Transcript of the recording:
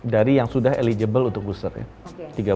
dari yang sudah eligiable untuk booster ya